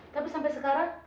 tapi sampai sekarang